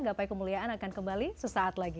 gapai kemuliaan akan kembali sesaat lagi